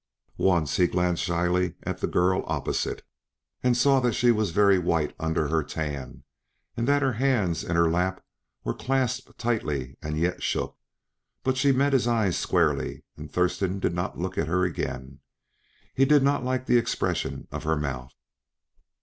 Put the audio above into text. Once he glanced slyly at the girl opposite, and saw that she was very white under her tan, and that the hands in her lap were clasped tightly and yet shook. But she met his eyes squarely, and Thurston did not look at her again; he did not like the expression of her mouth.